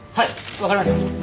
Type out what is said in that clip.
わかりました。